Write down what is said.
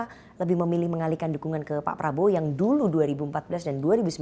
karena pak surya mengalihkan dukungan ke pak prabowo yang dulu dua ribu empat belas dan dua ribu sembilan belas